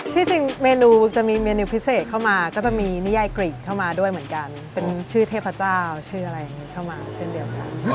ที่จริงเมนูจะมีเมนูพิเศษเข้ามาก็จะมีนิยายกรีดเข้ามาด้วยเหมือนกันเป็นชื่อเทพเจ้าชื่ออะไรอย่างนี้เข้ามาเช่นเดียวกัน